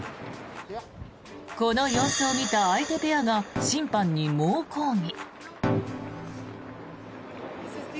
この様子を見た相手ペアが審判に猛抗議。